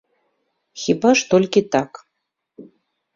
Хіба ж толькі так.